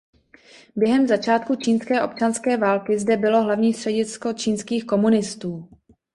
Během začátku Čínské občanské války zde bylo hlavní středisko čínských komunistů.